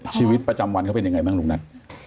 ชีวิตประจำวันเขาเป็นยังไงบ้างลุงนัท